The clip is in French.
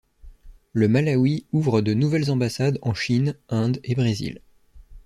Le Malawi ouvre de nouvelles ambassades en Chine, Inde et Brésil.